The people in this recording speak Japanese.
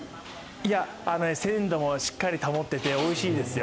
鮮度もしっかり保っていておいしいですよ。